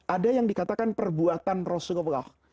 ada yang dikatakan perbuatan rasulullah